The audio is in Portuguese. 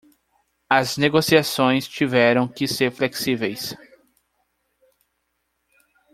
As negociações tiveram que ser flexíveis.